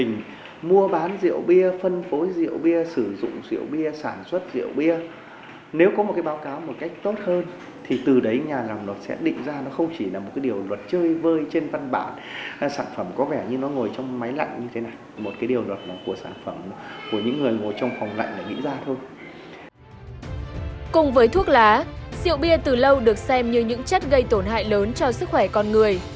cùng với thuốc lá rượu bia từ lâu được xem như những chất gây tổn hại lớn cho sức khỏe con người